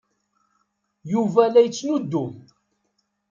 Yuba la yettnuddum.